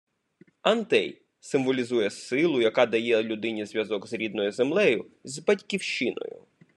Антей - символізує силу, яку дає людині зв'язок з рідною землею, з батьківщиною